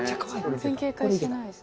全然警戒しないです。